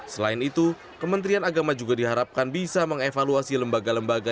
selain itu kementerian agama juga diharapkan bisa mengevaluasi lembaga lembaga